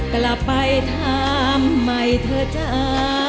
กลับไปถามไม่เธอจ้า